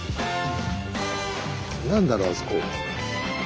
何だろうあそこ。